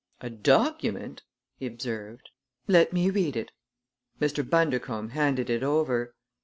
"A document!" he observed. "Let me read it." Mr. Bundercombe handed it over.